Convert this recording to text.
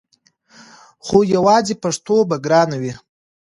خو یواځې پښتو به ګرانه وي!